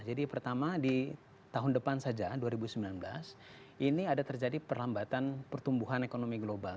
jadi pertama di tahun depan saja dua ribu sembilan belas ini ada terjadi perlambatan pertumbuhan ekonomi global